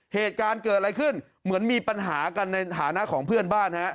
เหตุการณ์เกิดอะไรขึ้นเหมือนมีปัญหากันในฐานะของเพื่อนบ้านฮะ